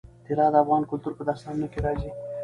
طلا د افغان کلتور په داستانونو کې راځي.